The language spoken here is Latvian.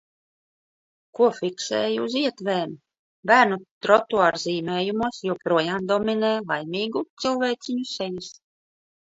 Ko fiksēju uz ietvēm. Bērnu trotuārzīmējumos joprojām dominē laimīgu cilvēciņu sejas.